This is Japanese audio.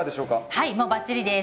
はいもうバッチリです。